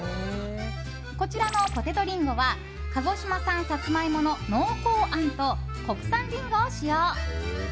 こちらの、ぽてとりんごは鹿児島産サツマイモの濃厚あんと国産リンゴを使用。